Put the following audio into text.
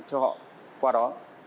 cho họ qua đó